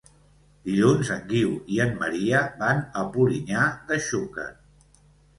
Dilluns en Guiu i en Maria van a Polinyà de Xúquer.